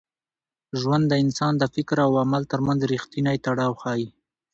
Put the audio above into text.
ژوند د انسان د فکر او عمل تر منځ رښتینی تړاو ښيي.